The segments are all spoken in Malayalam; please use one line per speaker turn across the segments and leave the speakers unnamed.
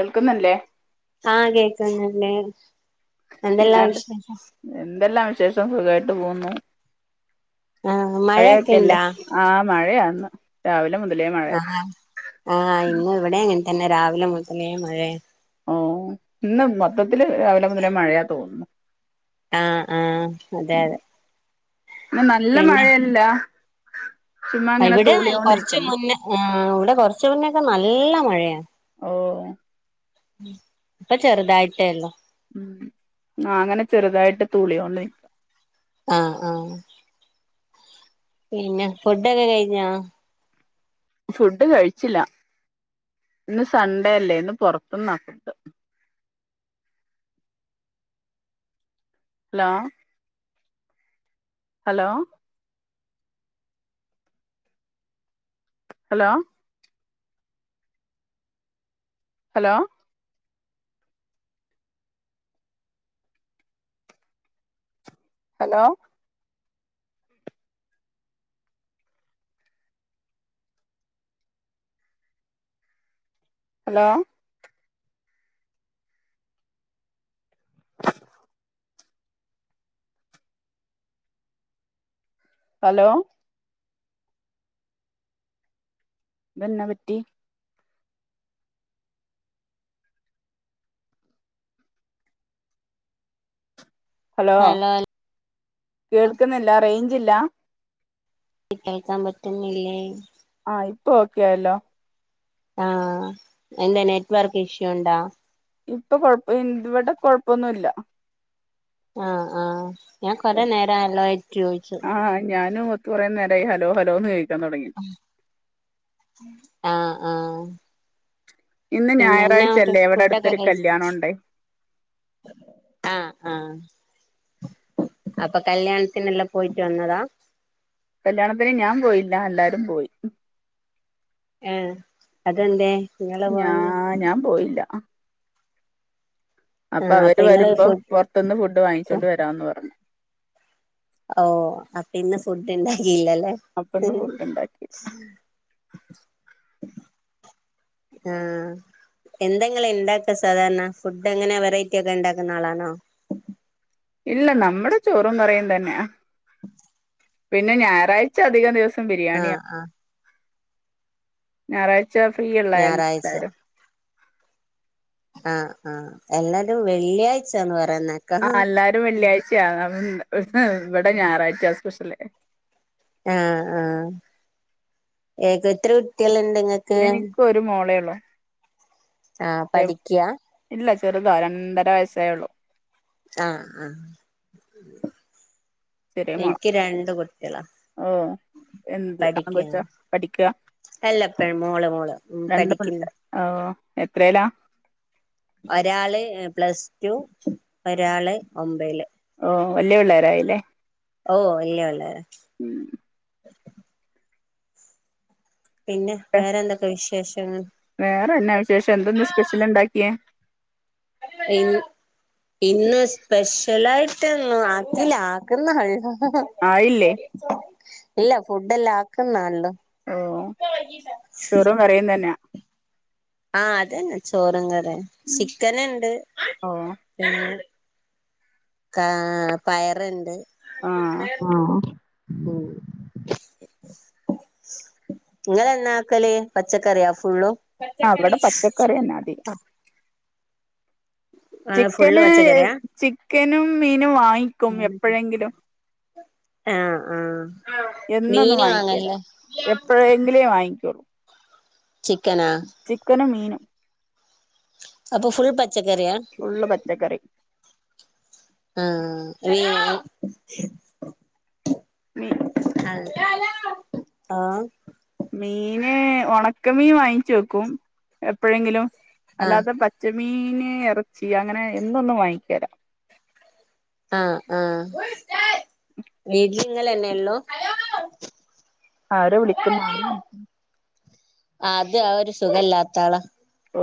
കേൾക്കുന്നല്ലേ
ആ കേൾക്കുന്നുണ്ട് എന്തെല്ലാം വിശേഷം
എന്തെല്ലാംവിശേഷം സുഖായിട്ടുപോകുന്നു.
ആഹ് മഴയൊക്കെ
മഴയൊക്കെയല്ലേ
ഇണ്ടാ
ആ, മഴയാന്ന് രാവിലെ മുതലേ മഴ
ആഹ് ആഹ് ഇന്ന് ഇവിടെ അങ്ങനെ തന്നെ രാവിലെ മുതലേമഴേ
ഓ, ഇന്നുമൊത്തത്തില് രാവിലെ മുതലേ മഴേ തോന്നുന്നു
ആഹ്, ആഹ് അതെ അതെ
ന്നാനല്ല
പിന്നെ
മഴയല്ല ചുമ്മാ ഇങ്ങനെ
ഇവിടെ കൊറച്ചു
തൂളിയോണ്ടിരിക്കുന്നു
മുന്നേ ഇവിടെ കൊറച്ചു മുന്നേയൊക്കെ നല്ല മഴയാ
ഓ
ഇപ്പൊ ചെറുതായിട്ടേയുള്ളു
ഉം.. അങ്ങനെ ചെറുതായിട്ടു തൂളിയൊള്ളേ
ആഹ് ആഹ് പിന്നെ ഫുഡൊക്കെ കഴിഞ്ഞോ
ഫുഡുകഴിച്ചില്ല, ഇന്ന് സൺഡേല്ലേ ഇന്ന് പൊറത്ത്ന്ന food hello hello hello hello hello hello hello ഇതെഞ്ഞാപറ്റി ഹലോ കേൾക്കുന്നില്ലാ റൈഞ്ചില്ല
ക്ക് കേൾക്കാൻ പറ്റുന്നില്ലേ
ആ ഇപ്പൊ ഓക്കെയായല്ലോ
ആഹ്, എന്താ നെറ്റുവർക്കിഷ്യൂവുണ്ടോ
ഇപ്പൊകൊഴപ്പ, ഇവിടെ കൊഴപ്പൊന്നുല്ല
ആ, ആ ഞാൻ കൊറെനേരായില്ലോ ചോദിച്ചു.
ആ ഞാനുമൊ കുറേ നേരായി ഹലോ ഹലോന്ന് ക ചോദിക്കാൻ തുടങ്ങി
ആഹ്, ആഹ്
ഇന്ന്
പിന്നെയെന്നായുണ്ട്,
ഞായറാഴ്ചയല്ലേ ഇവിടെ
ഫുഡൊക്കെ
അടുത്തൊരു കല്യാണം
കഴിച്ചോ
ഉണ്ടായി
ആഹ്, ആഹ് അപ്പൊ കല്യാണത്തിനെല്ലാം പോയിട്ടുവന്നതാ,
കല്യാണത്തിനു ഞാൻ പോയില്ല, എല്ലാവരും പോയി
ഏ.. അതെന്തേ നിങ്ങളു
ഞാ
പോകഞ്ഞേ
ഞാൻ പോയില്ല
ആഹ് അപ്പൊ ഇങ്ങള്
അപ്പൊഅവരുവരുമ്പോ
ഫു
പുറത്തുനിന്ന് ഫുഡ്
ഫു
വാങ്ങിച്ചോണ്ടുവരാമെന്നുപറഞ്ഞു
ഓ.. അപ്പൊയിന്ന് ഫുഡുണ്ടാക്കിയില്ലയല്ലേ
അപ്പൊ ഇന്ന് ഫുഡ് ഉണ്ടാക്കി
ആഹ് എന്തെഇങ്ങൾ ഇണ്ടാക്കാ സാധാരണ ഫുഡ് എങ്ങനെ വെറൈറ്റി ഒക്കെ ഉണ്ടാക്കുന്ന ആളാണോ
ഇല്ല നമ്മുടെ ചോറും കറിയും തന്നെയ പിന്നെ ഞായറാഴ്ച അധികം ദിവസം ബിരിയാണിയ
ആഹ് ആഹ്
ഞായറാ ച്ച ഫ്രീയള്ള
ഞായറാഴ്ച
എല്ലരും
ആഹ് ആഹ് എല്ലാരും വെള്ളിയാഴ്ചന്ന് പറയാന്ന
ആഹ് അല്ലാരും വെള്ളിയാഴ്ചയ ഇവിടെ ഞായറാഴ്ചയ സ്പെഷ്യല്
ആഹ് ആഹ് ഏക ഏത്ര കുട്ടികളുണ്ട് നിങ്ങൾക്
എനിക്ക് ഒരു മോളെള്ളൂ
ആഹ് പഠിക്കാ
ഇല്ല ചെറുതോ രണ്ടര വയസ്സേള്ളൂ
ആഹ ആഹ
ചെറിയ മോള
ഇൻക്ക് രണ്ട് കുട്ട്യാള
ഓ എന്ത് ആൺകൊച്ച
പഠിക്കണ്
പഠിക്ക
അല്ലപ്പ മോള് മോള് ഉം
രണ്ട്
പഠിക്കന്ന്
പിള്ളേ ഓ എത്രല്ലാ
ഒരാള് പ്ലസ് ടു ഒരാള് ഒമ്പല്
ഓ വല്ലിയ പിള്ളേരായില്ലേ
ഓ വല്യ പിള്ളേരാ
ഉം
പിന്നെ വേറെ എന്തൊക്കെ വിശേഷങ്ങൾ
വേറെെന്നാ വിശേഷം എന്തന്ന് സ്പെഷ്യൽ ഉണ്ടാക്കിയേ
പിൻ ഇന്ന് സ്പെഷ്യലായിട്ടന്ന ആക്കില്ല ആക്കുന്നെ ഒള്ളു
ആയില്ലേ
ഇല്ല ഫുഡ് എല്ലാം ആക്കുന്നെള്ളു
ഓ ചോറും കറിയുന്ന തന്നെയാ
ആഹ് അതന്നെ ചോറും കറിയും സിക്കൻ ഉണ്ട്
ഓ
പിന്നെ കാ പയറുണ്ട്
ആഹ്
ഉം ഉം ങ്ങളെന്നാ ആക്കലേ പച്ചക്കറിയോ ഫുള്ളും
ആഹ്
പച്ചക്കറി
ഇവിടെ പച്ചക്കറിന്നാ അതി
ആ ഫുള്ള്
ചിക്കന്
പച്ചക്കറിയാ
ചിക്കനും മീനും വാങ്ങിക്കും എപ്പോഴെങ്കിലും
ആഹ് ആഹ്
എന്നൊന്നും വാങ്ങിക്കല എപ്പഴെങ്കിലും വാങ്ങിക്കുള്ളൂ
ചിക്കനാ
ചിക്കനും മീനും
അപ്പൊ ഫുൾ പച്ചക്കറിയാ
ള്ള പച്ചക്കറി
ആഹ് [unintelligible]
മി
[inaudible] ആഹ്
മീന് ഒണക്കമീൻ വാങ്ങിച്ച വെക്കും എപ്പോഴെങ്കിലും
ആ
അല്ലാത്ത പ ചമീന് ഇറച്ചി അങ്ങനെ എന്നോന്നും വാങ്ങിക്കരാ
ആഹ് ആഹ് വീട്ടിങ്ങളെന്നെ ഉള്ളോ
ആരോ വിളിക്കുന്ന്
അത് ആഹ് ഒരു സുഖല്ലാത്ത ആള
ഓ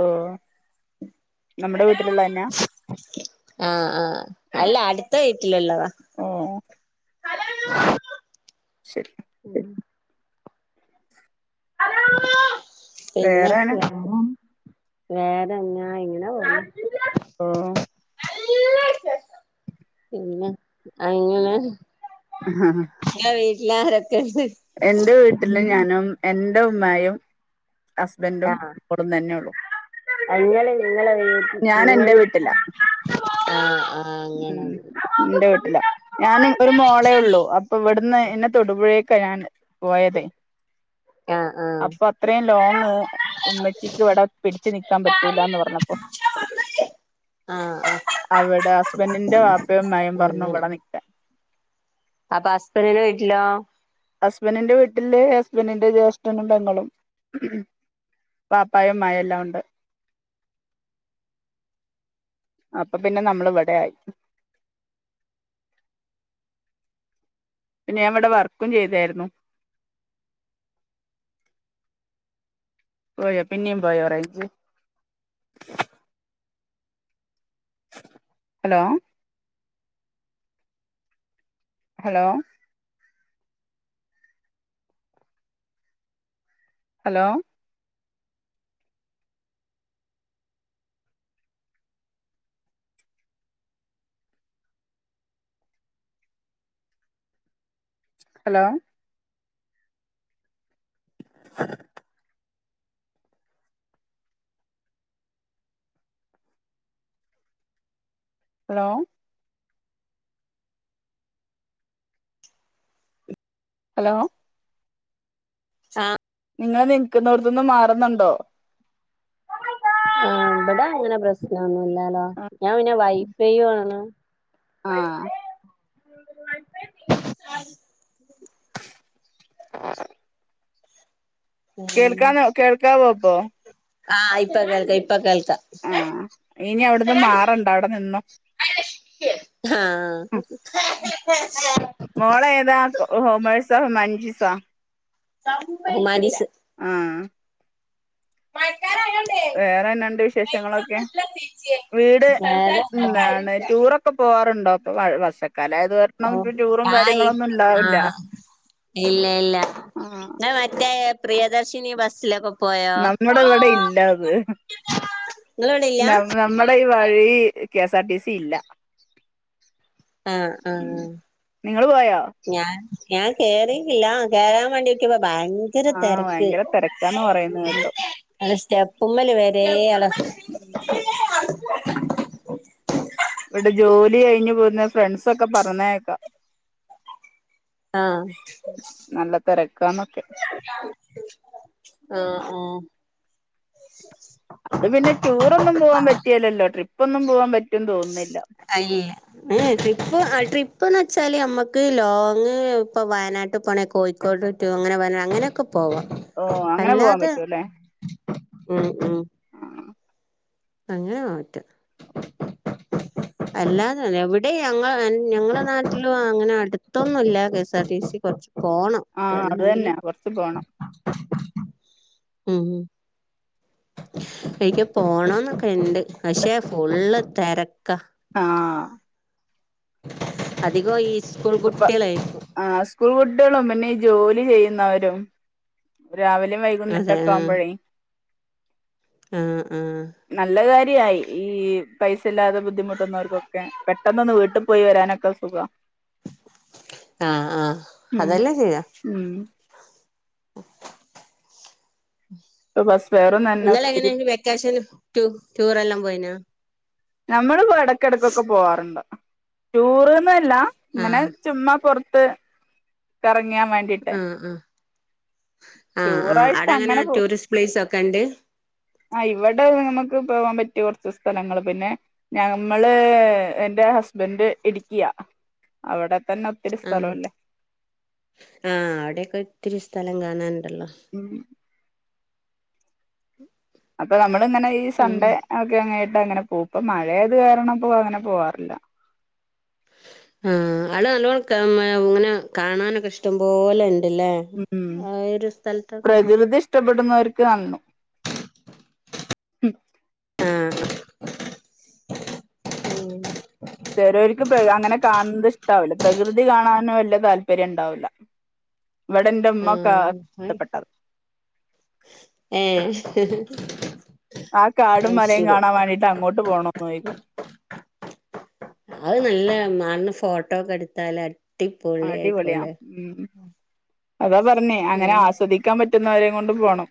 നമ്മുടെ വീട്ടിലുള്ളന്നാ
ആഹ് ആഹ് അല്ല അടുത്ത വീട്ടിലുള്ളത
ഓ ശരി
പിന്നെ
വേറെന
വേറെ വേറെന്നാ ഇങ്ങനാ പോണ്
ഓ
പിന്നെ അങ്ങനെ
ആഹ്
ങ്ങളെ വീട്ടില ആരൊക്കെണ്ട്
എന്റെ വീട്ടില് ഞാനും എന്റെ ഉമ്മായും ഹസ്ബൻഡും ഇടും തന്നെ ഉള്ളു
അ നിങ്ങള്
ഞാൻ എന്റെ
നിങ്ങ
വീട്ടിലാ
ആഹ് ആഹ് അങ്ങനെ
ഉം എന്റെ വീട്ടില ഞാനും ഒരു മോളേ ഉള്ളൂ അപ്പൊ ഇവിടുന്ന് എന്നെ തൊടുപുഴയൊക്കെ ഞാന് പോയത്
ആഹ് ആഹ്
അപ്പൊ അത്രയും ലോങ് ഉമ്മച്ചിക്ക് ഇവിടെ പിടിച്ച് നിക്കാൻ പറ്റൂലന്ന് പറഞ്ഞപ്പോ
ആഹ് ആഹ്
അവടെ ഹസ്ബൻഡിന്റെ വാപ്പയും ഉമ്മായും പറഞ്ഞു
അങ്ങനെ
ഇവിടെ നിക്കാൻ
അപ്പൊ അബൻഡിന്റെ വീട്ടിലോ
ഹസ്ബൻഡിന്റെ വീട്ടില് ഹസ്ബൻഡിന്റെ ജ്യേഷ്ഠനും പെങ്ങളും വാപ്പായും ഉമ്മായും എല്ലാം ഉണ്ട് അപ്പൊ പിന്നെ നമ്മൾ ഇവിടെ ആയി പിന്നെ ഞാൻ ഇവിടെ വർക്കും ചെയ്തായിരുന്നു പോയോ പിന്നെയും പോയോറച് hello hello hello hello hello hello
ച്ചാ
നിങ്ങള് നിൽക്കുന്നോടത്ത നിന്ന് മാറുന്നുണ്ടോ
ആഹ് ഇവിടെ അങ്ങനെ പ്രശ്നൊന്നുമല്ലാലോ ഞാൻ പിന്നെ വൈഫൈയു ആണ്
ആഹ്
[unintelligible]
ആ കേൾക്കാന്ന് കേൾക്കാവോ ഇപ്പൊ.
ആഹ് ഇപ്പ കേൾചഇപ്പൊ കേൾക
ആഹ ഇനി അവിടന്ന് മാറണ്ട അവിടെ നിന്നോ.
ആഹ്
മോള ഏതാ ഹോ മഴ്സോ മഞ്ജുസോ.
ഹുമാന്റിസ്
ആഹ്
മഴക്കാലം ആയാൽ.
വേറെന്നണ്ട് വിശേഷങ്ങളൊക്കെ വീട് എന്താണ് ടൂറൊെ. ക്കെ പോവാറുണ്ടോ അപ്പൊ വർക്കാലം അായത് കരണം
ഓ
ടൂറും
ആ
കാര്യങ്ങളൊന്നും ഇണ്ടാവില്ല.
ആ ഇല്ല ഇല്ല ഞൻ മറ്റേ പ്രിയദർശിനി ബസ്സിലക്കെ
നമ്മുടെ ഇവിടെ ഇല്ലാത്.
ഇങ്ങളിവിടില്ല
ന നമ്മുടെ ഈ വഴി കെഎസ് ആർ ടി സി ഇല്ല.
ആഹ്
ഉ
ആഹ്
നിങ്ങള് പോയാ
ഞാൻ ഞാൻ കേറിടില്ല കേയറാൻ വേണ്ടിക്കപ്പോ ഭാ ഭയങ്കര
ആഹ്
തിരക്ക്
ഭയങ്കര തിരക്കാന്ന് പറയുന്ന കേട്ടു
അ സ്റ്റെപ്പുമ്മല് വര ആള
ഉം ഇവിടെ ജോലി കഴിഞ്ഞഞ് പോകുന്ന ഫ്രണ്ട്സ ഒക്കെ പറഞ്ഞേക്കാം.
ആഹ്
നല്ല തിരക്കന്നൊക്കെ
ആഹ ആഹ്
അത് പിന്നെ ടൂറൊന്നും പോകവാൻ പറ്റിയല്ലല്ലോ ട്രിപ്പ്ന്നും പോകവാൻ പറ്റുഒന്ന് തോന്നുന്നില്ല
ഐ ഏ ട്രിപ്പ് ട്രിപ്പ്ന്ന് വെച്ചാല് നമ്മക്ക് ലോങ്ങ്‌ ഇപ്പ വയനാട്ട് പോണെ കോഴ കോട്ടറ്റു അങ്ങനെ വ അങ്ങനെയൊക്കെ പോവാ
ഓഹ് അങ്ങനെ പോവാൻ
അല്ലാതെ.
പറ്റൂല്ലേ
ഉ ഉ അങ്ങനെ മറ്റ അല്ലാതെെ എവിടെ ഞങ്ങ ഞങ്ങളെ നാട്ടിലും. അങ്ങനെ അടുത്തൊന്നുംല്ല കെഎസ് ആർ ടി സി കുറച്ച്.
ആഹ് അത്
പോണംഎലങ്കില്
തന്നെ കൊറച്ച് പോണം
ഉം. എനിക്ക് പോണംന്നൊക്കെ ഇണ്ട് പക്ഷേ ഫുള്ള് തരക്ക.
ആഹ്
അധികം ഈ സ്കൂൾ കുട്ടികളേ.
ആ സ്കൂൾ കുട്ടികളും പിന്നെ ജോലി ചെയ്യുന്നവരും. രാവിലെയും വൈകുന്നേരം
അതെ
ഒക്കെ ആവുമ്പോഴേ
ആ ആഹ്
നല്ല കാര്യായി ഈ പൈസ ഇല്ലാതെ ബുദ്ധിമുട്ടുന്നവർക്കൊക്കെ. പെട്ടെന്നൊന്ന് വീട്ടിൽ പോയി വരാനൊക്കെ സുഖം.
ആഹ ആഹ
ഉം
അതല്ലാം ചെയ്യാം.
ഉം
[inaudible]
ബസ് വേറെൊന്ന
നിങ്ങള് എങ്ങനെയ് വെക്കേഷൻ ടൂറെ എല്ലാം പോയിന.
നമ്മള് ഇപ്പോ ഇടക്കിടക്കൊക്കെ പോവാാറുണ്ട്. ടൂറ്ന്നല്ല ഇങ്ങനെ
ആഹ്
ചുമ് പുറത്ത് കറങ്ങിയാൻ വേണ്ടി
ആ ആ ആ ആ
ടൂറായിട്ട്
അവിടെ അങ്ങനെ
പോ
ടൂറിസ്റ്റ് പ്ലേസ് ഒക്കെ ഉണ്ട്.
ആഹ് ഇവടെ നമുക്ക് പോകാൻ പറ്റിയ കുറച്ച് സ്ഥലങ്ങള് പിന്നെ ഞമ്മള് എന്റെ ഹസ്ബന്റ് ഇടുക്കിയാ അവിടെ തന്നെ ഒത്തിരി
ആഹ്
സ്ഥലല്ലേ
ആഹ് അവിടെൊക്കെ ഒത്തിരി സ്ഥലം കാണാനുണ്ടല്ലോ
ഉം അപ്പൊ നമ്മളിങ്ങനെ ഈ
ഉം
സൺഡേ ഒക്കെ അങ്ങയിട്ട് അങ്ങനെ പോകും ഇപ്പ മഴായത് കാരണംപ്പോ അങ്ങനെ പോവാറില്ല
ആഹ് ആള് നല്ലോണം ഇങ്ങനെ കാണാനൊക്കെ ഇഷ്ടംപോലെണ്ട്ല്ലേ
ഉം പ്രകൃതി ഇഷ്ടപ്പെടുന്നവർക്ക് നന്നു
ആഹ് ഉം
ചെറിയോൽക്ക്പ്പൊ അങ്ങനെ കാണുന്നത് ഇഷ്ടാവൂല പ്രകൃതി കാണാനും വല്ല്യ താല്പര്യണ്ടാവൂലാ ഇവിടെ എന്റെമ്മക്കെ ആഹ് ടപ്പട്ടതാ
ഏഹ്
ആഹ് കാടും
അത്
മലയും
ശരി.
കാണാൻ വേണ്ടിയിട്ട് അങ്ങോട്ട് പോണോന്നോയ്ക്കും
അത് നല്ല മണന്ന് ഫോട്ടോ ഒക്കെ എടുത്താലടി
അടിപൊളിയാ ഉം അതാ പറഞ്ഞേ അങ്ങനെ ആസ്വദി ക്കാൻ പറ്റുന്നവരേ കൊണ്ട് പോണം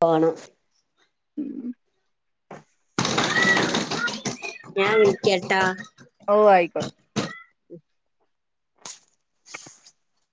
പോണം ഞാൻ വിളിക്കട്ടാ
ഓഹ് ആയിക്കോട്ട